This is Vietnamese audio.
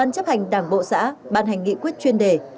thành đảng bộ xã ban hành nghị quyết chuyên đề